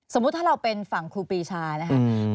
สมมุติถ้าเราเป็นฝั่งครูปีชานะครับ